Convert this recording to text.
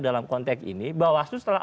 dalam konteks ini bawaslu setelah